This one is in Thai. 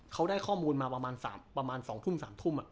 เขาได้ข้อมูลมาประมาณ๒ทุ่ม๓ทุ่ม